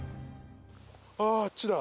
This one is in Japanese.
あああっちだ。